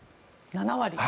７割。